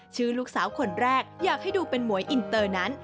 ชื่อลูกสาวคนแรกอยากให้ดูเป็นหวยอินเตอร์นั้น